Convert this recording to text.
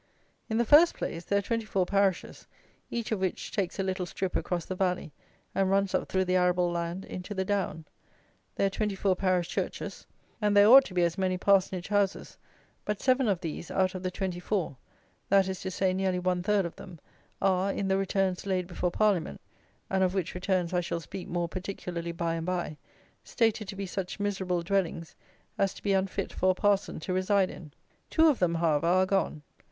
In the first place, there are twenty four parishes, each of which takes a little strip across the valley, and runs up through the arable land into the down. There are twenty four parish churches, and there ought to be as many parsonage houses; but seven of these, out of the twenty four, that is to say, nearly one third of them, are, in the returns laid before Parliament (and of which returns I shall speak more particularly by and by), stated to be such miserable dwellings as to be unfit for a parson to reside in. Two of them, however, are gone.